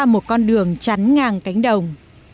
một con đường chắn ngang cánh đồng